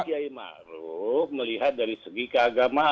sebenarnya kiai maruf melihat dari segi keagamaan